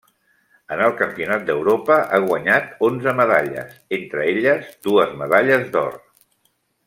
En el Campionat d'Europa ha guanyat onze medalles, entre elles dues medalles d'or.